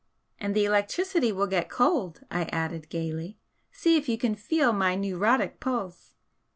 "And the electricity will get cold!" I added, gaily. "See if you can feel my 'neurotic' pulse!"